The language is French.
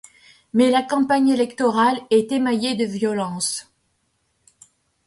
Mais la campagne électorale est émaillée de violences.